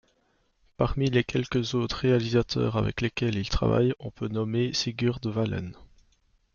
Parmi les quelques autres réalisateurs avec lesquels il travaille, on peut nommer Sigurd Wallén.